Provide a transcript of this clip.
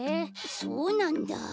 そうなんだ。